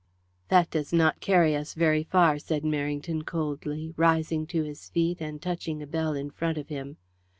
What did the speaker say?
"That does not carry us very far," said Merrington coldly, rising to his feet and touching a bell in front of him.